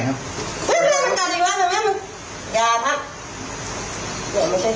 ไหวะเห็นไหมครับ